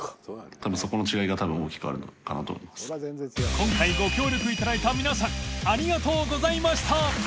禳２ご協力いただいた皆さんありがとうございました！